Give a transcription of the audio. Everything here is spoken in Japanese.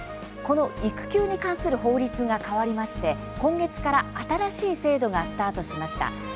この育休に関する法律が変わりまして、今月から新しい制度がスタートしました。